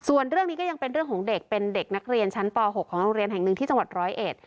ส่วนเรื่องนี้ก็ยังเป็นเรื่องของเด็กเป็นเด็กนักเรียนชั้นป๖ของโรงเรียนแห่งหนึ่งที่จังหวัดร้อยเอ็ด